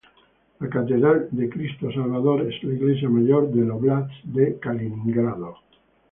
La Catedral de Cristo Salvador es la iglesia mayor del óblast de Kaliningrado.